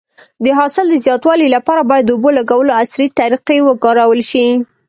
د حاصل د زیاتوالي لپاره باید د اوبو لګولو عصري طریقې وکارول شي.